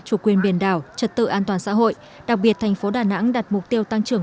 chủ quyền biển đảo trật tự an toàn xã hội đặc biệt thành phố đà nẵng đặt mục tiêu tăng trưởng